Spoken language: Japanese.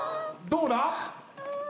どうだ？